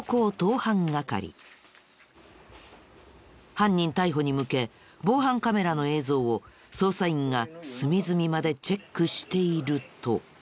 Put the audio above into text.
犯人逮捕に向け防犯カメラの映像を捜査員が隅々までチェックしていると。